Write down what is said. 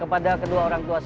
apakah deda tuhan